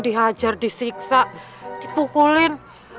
dihajar disiksa dipukulin